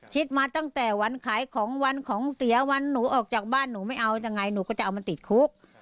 คิดมาตั้งแต่วันขายของวันของเสียวันหนูออกจากบ้านหนูไม่เอายังไงหนูก็จะเอามาติดคุก